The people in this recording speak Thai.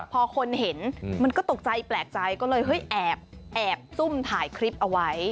พอคนเห็นมันก็ตกใจแปลกใจก็เลยเฮ้ยแอบซุ่มถ่ายคลิปเอาไว้